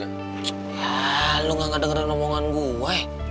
ya lu nggak dengerin omongan gue